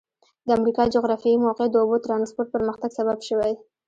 د امریکا جغرافیایي موقعیت د اوبو ترانسپورت پرمختګ سبب شوی.